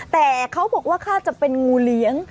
แต่เขาบอกว่าคาดจะเป็นงูเลี้ยง